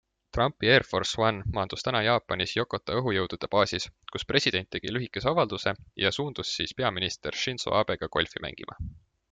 Trumpi Air Force One maandus täna Jaapanis Yokota õhujõudude baasis, kus president tegi lühikese avalduse ja suundus siis peaminister Shinzo Abega golfi mängima.